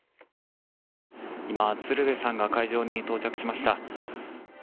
今、鶴瓶さんが会場に到着しました。